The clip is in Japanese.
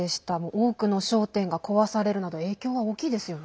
多くの商店が壊されるなど影響は大きいですね。